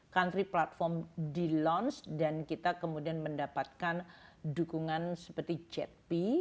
country platform di launch dan kita kemudian mendapatkan dukungan seperti jet p